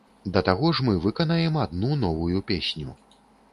Да таго ж мы выканаем адну новую песню.